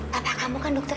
papa kamu kan dokter fnd